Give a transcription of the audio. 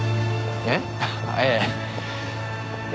えっ？ええ。